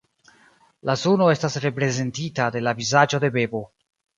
La suno estas reprezentita de la vizaĝo de bebo.